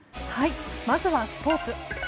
まずはスポーツ。